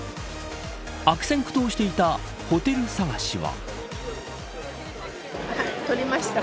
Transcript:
悪戦苦闘していたホテル探しは。